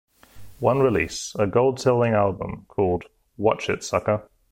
One release, a gold-selling album called Watch It, Sucker!